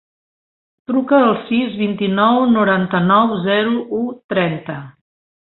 Truca al sis, vint-i-nou, noranta-nou, zero, u, trenta.